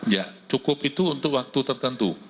ya cukup itu untuk waktu tertentu